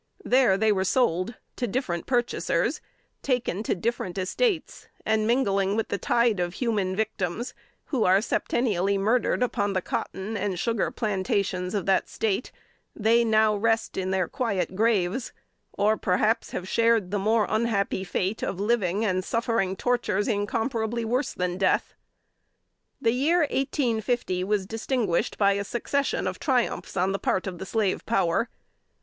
There they were sold to different purchasers, taken to different estates, and mingling with the tide of human victims who are septennially murdered upon the cotton and sugar plantations of that State, they now rest in their quiet graves, or perhaps have shared the more unhappy fate of living and suffering tortures incomparably worse than death. The year 1850 was distinguished by a succession of triumphs on the part of the slave power.